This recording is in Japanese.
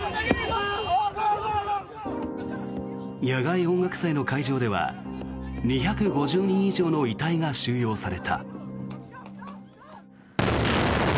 野外音楽祭の会場では２５０人以上の遺体が収容された。